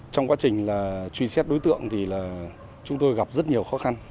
trong quá trình truy xét đối tượng thì là chúng tôi gặp rất nhiều khó khăn